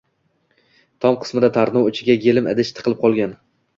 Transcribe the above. Tom qismida tarnov ichiga yelim idish tiqilib qolgan.